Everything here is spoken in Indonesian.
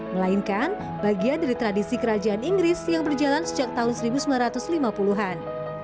melainkan bagian dari tradisi kerajaan inggris yang berjalan sejak tahun seribu sembilan ratus lima puluh an